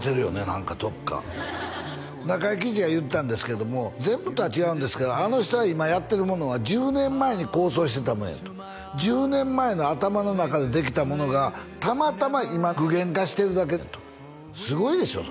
何かどっか中井貴一が言うてたんですけども全部とは違うんですけどあの人が今やってるものは１０年前に構想してたもんやと１０年前の頭の中でできたものがたまたま今具現化してるだけだとすごいでしょ？